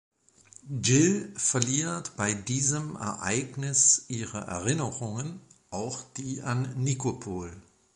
Jill verliert bei diesem Ereignis ihre Erinnerungen, auch die an Nikopol.